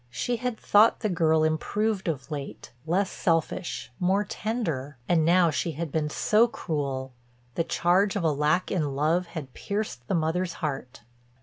She had thought the girl improved of late, less selfish, more tender. And now she had been so cruel; the charge of a lack in love had pierced the mother's heart.